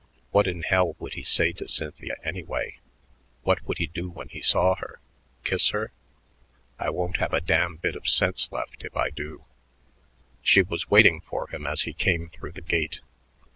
What in hell would he say to Cynthia, anyway? What would he do when he saw her? Kiss her? "I won't have a damned bit of sense left if I do." She was waiting for him as he came through the gate.